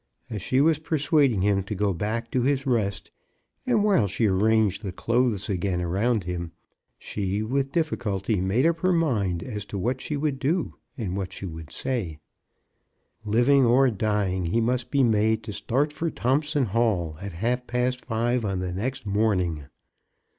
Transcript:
As she was persuading him to go back to his rest, and while she arranged the clothes again around him, she with difficulty made up her mind as to what she would do and what she would say. Living or dying, he must be made to start for Thompson Hall at half past five on the next morning.